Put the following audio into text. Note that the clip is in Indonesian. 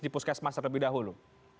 di puskesmas terlebih dahulu